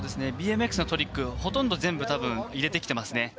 ＢＭＸのトリック、ほとんど全部入れてきてますね。